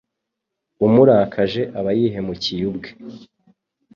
umurakaje aba yihemukiye ubwe